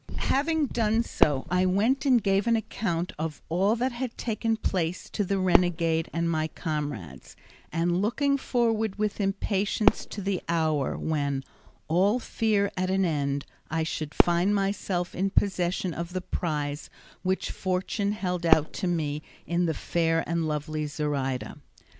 Having done so I went and gave an account of all that had taken place to the renegade and my comrades, and looked forward with impatience to the hour when, all fear at an end, I should find myself in possession of the prize which fortune held out to me in the fair and lovely Zoraida.